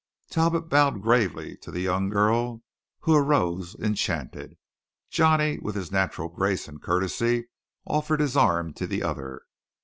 Talbot bowed gravely to the young girl, who arose enchanted. Johnny, with his natural grace and courtesy, offered his arm to the other.